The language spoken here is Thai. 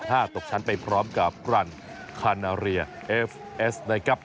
ตกชั้นไปพร้อมกับกรันคานาเรียเอฟเอสนะครับ